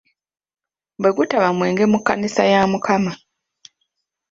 Bwe gutaba mwenge mu kkanisa ya Mukama.